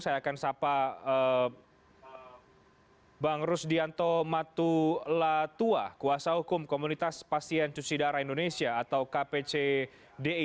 saya akan sahabat bang rusdianto matulatua kuasa hukum komunitas pasien cusidara indonesia atau kpcdi